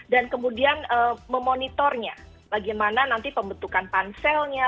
dan kemudian memonitornya bagaimana nanti pembentukan panselnya